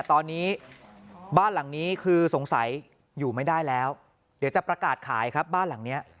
ตอนนี้บ้านหลังนี้คือสงสัยอยู่ไม่ได้แล้วเดี๋ยวจะประกาศขายครับบ้านหลังนี้